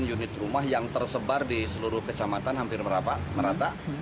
satu ratus sembilan unit rumah yang tersebar di seluruh kecamatan hampir merata